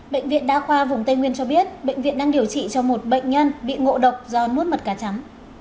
bệnh viện đa khoa vùng tây nguyên cho biết bệnh viện đang điều trị cho một bệnh nhân bị ngộ độc do nuốt mật cá chấm